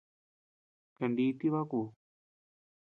Kaniiti baku.